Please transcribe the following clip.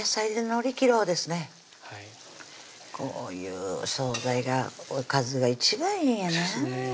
はいこういう総菜がおかずが一番いいんやね